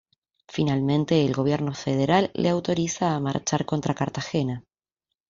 Finalmente el gobierno federal le autoriza a marchar contra Cartagena.